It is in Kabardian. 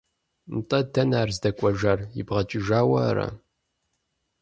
НтӀэ, дэнэ ар здэкӀуэжар, ибгъэкӀыжауэ ара?